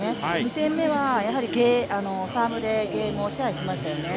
２戦目はサーブでゲームを支配しましたよね。